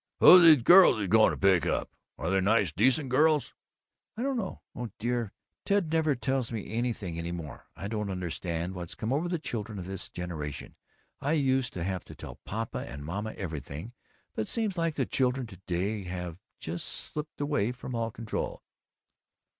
"Who's these girls he's going to pick up? Are they nice decent girls?" "I don't know. Oh dear, Ted never tells me anything any more. I don't understand what's come over the children of this generation. I used to have to tell Papa and Mama everything, but seems like the children to day have just slipped away from all control."